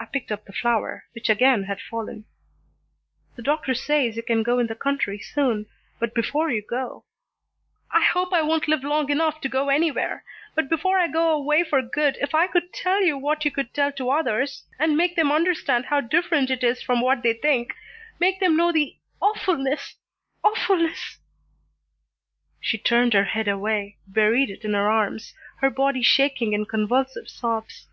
I picked up the flower, which again had fallen. "The doctor says you can go in the country soon, but before you go " "I hope I won't live long enough to go anywhere, but before I go away for good if I could tell you what you could tell to others, and make them understand how different it is from what they think, make them know the awfulness awfulness " She turned her head away, buried it in her arms, her body shaking in convulsive sobs.